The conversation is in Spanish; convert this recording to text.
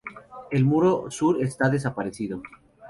El muro sur está desaparecido.